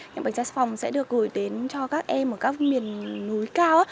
những bánh xà phòng sẽ được gửi đến cho các em ở các miền núi cao